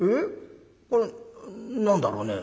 これ何だろうね？